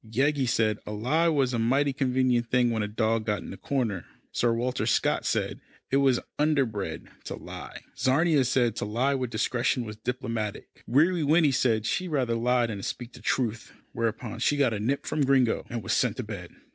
Yeggie said a lie was a mighty convenient thing when a dog got in a corner. Sir Walter Scott said it was underbred to lie. Czarina said to lie with discretion was diplomatic. Weary Winnie said she'd rather lie than speak the truth, whereupon she got a nip from Gringo, and was sent to bed.